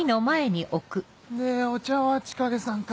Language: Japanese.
でお茶は千景さんか。